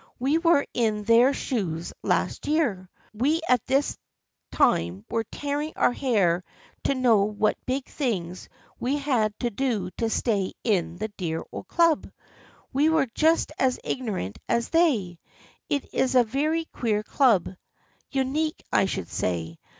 We were in their shoes last year. We at this time were tearing our hair to know what big things we had to do to stay in the dear old club. We were just as ignorant as they. It is a very queer club, unique I should say.